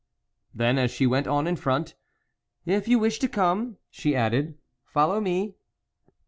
Then, as she went on in front, " If you wish to come," she added, follow me."